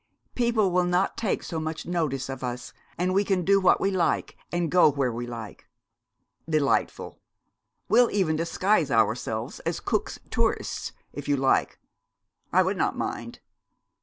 People will not take so much notice of us, and we can do what we like, and go where we like.' 'Delightful! We'll even disguise ourselves as Cook's tourists, if you like. I would not mind.'